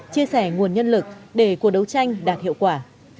chia sẻ nguồn nhân lực để cuộc đấu tranh đạt hiệu quả